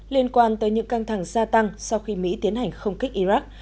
liên quan tới những căng thẳng gia tăng sau khi mỹ tiến hành không kích iraq